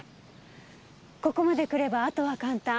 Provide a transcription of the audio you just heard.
ここまでくればあとは簡単。